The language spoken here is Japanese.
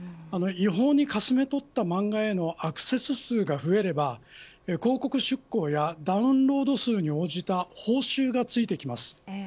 違法にかすめ取った漫画へのアクセス数が増えれば広告出稿やダウンロード数に応じた報酬がついてきます。